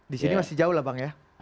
di sini masih jauh lah bang ya